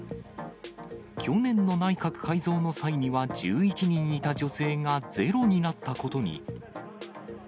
去年の内閣改造の際には１１人いた女性がゼロになったことに。